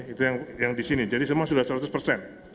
itu yang di sini jadi semua sudah seratus persen